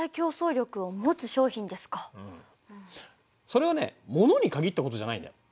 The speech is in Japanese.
それはねものに限ったことじゃないんだよ。